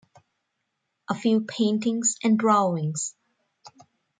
A few paintings and drawings.